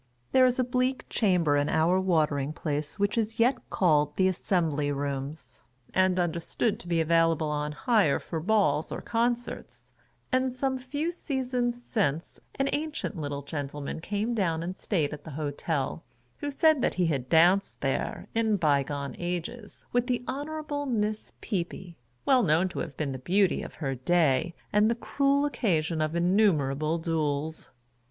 There is a bleak chamber in our Watering Place which is yet called the Assembly "Rooms," and understood to be available on hire for Balls or Concerts ; and, some few seasons since, an ancient little gentleman came down and stayed at the Hotel, who said he had danced there, in byegone ages, with the Honorable Miss Peepy, well known to have been the Beauty of her day and the cruel occasion of innu merable duels.